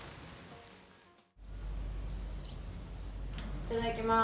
いただきます！